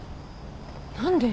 何で？